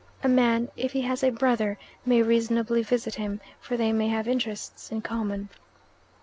A man, if he has a brother, may reasonably visit him, for they may have interests in common.